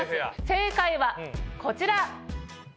正解はこちら！